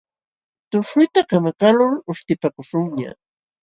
Tushuyta kamakaqlul uśhtipakuśhunñaq.